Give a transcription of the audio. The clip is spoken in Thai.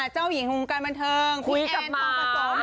เจ้าหญิงของการบันเทิงพี่แอนความผสม